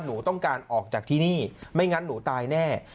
หนูต้องการออกจากที่นี่ไม่งั้นหนูตายแน่